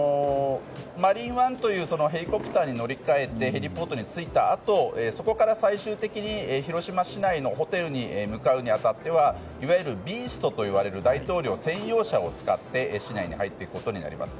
「マリーンワン」というヘリコプターに乗り換えてヘリポートに着いたあとそこから最終的に広島市内のホテルに向かうに当たってはいわゆる「ビースト」と呼ばれる大統領専用車を使って市内に入っていくことになります。